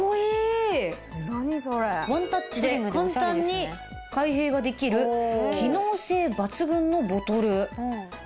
ワンタッチで簡単に開閉ができる機能性抜群のボトル。